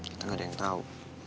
kita nggak ada yang tahu